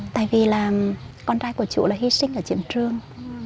tại vì là con trai của chủ là hy sinh ở triển trương